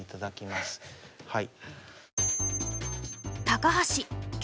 はい。